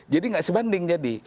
jadi nggak sebanding jadi